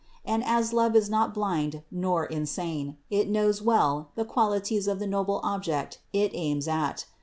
And as love is not blind nor insane, it knows well the qualities of the noble ob ject it aims at.